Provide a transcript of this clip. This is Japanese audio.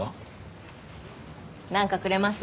なんかくれます？